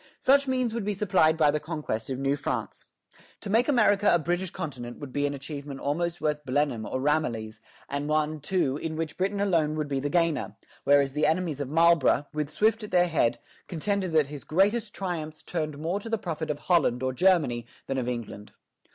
Such means would be supplied by the conquest of New France. To make America a British continent would be an achievement almost worth Blenheim or Ramillies, and one, too, in which Britain alone would be the gainer; whereas the enemies of Marlborough, with Swift at their head, contended that his greatest triumphs turned more to the profit of Holland or Germany than of England.